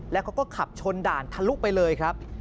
แล้วเขาก็ขับชนด่านทะลุไปเลยครับ